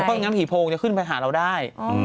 เพราะอย่างนั้นผีโพงจะขึ้นไปหาเราได้